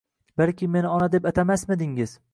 Balki meni ona deb atamasmidingiz?!